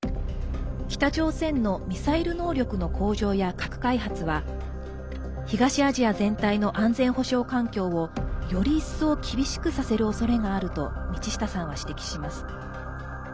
北朝鮮のミサイル能力の向上や核開発は東アジア全体の安全保障環境をより一層厳しくさせるおそれがあると道下さんは指摘します。